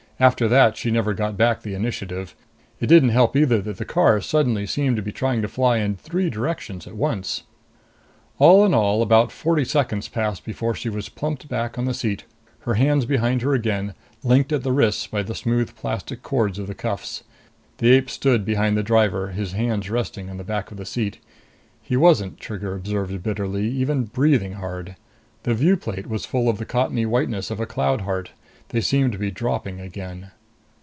After that she never got back the initiative. It didn't help either that the car suddenly seemed to be trying to fly in three directions at once. All in all, about forty seconds passed before she was plumped back on the seat, her hands behind her again, linked at the wrists by the smooth plastic cords of the cuffs. The ape stood behind the driver, his hands resting on the back of the seat. He wasn't, Trigger observed bitterly, even breathing hard. The view plate was full of the cottony whiteness of a cloud heart. They seemed to be dropping again.